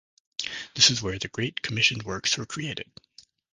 This is where the great commissioned works were created.